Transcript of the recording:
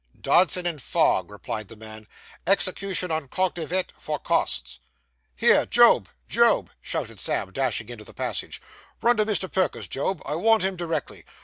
'Dodson and Fogg,' replied the man; 'execution on _cognovit _for costs.' 'Here, Job, Job!' shouted Sam, dashing into the passage. 'Run to Mr. Perker's, Job. I want him directly.